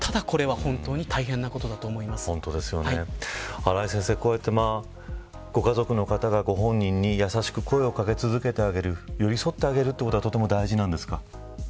新井先生、こうやってご家族の方がご本人に優しく声を掛け続けてあげる寄り添ってあげるということがとても大事なんですか。